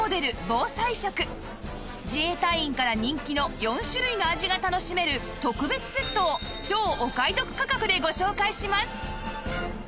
自衛隊員から人気の４種類の味が楽しめる特別セットを超お買い得価格でご紹介します！